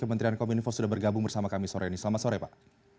kementerian kominfo sudah bergabung bersama kami sore ini selamat sore pak